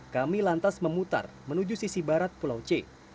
kami lantas memutar menuju sisi barat pulau c